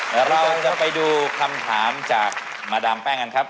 เดี๋ยวเราจะไปดูคำถามจากมาดามแป้งกันครับ